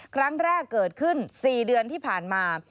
ครั้งแรกเกิดขึ้น๔เดือนที่ผ่านมา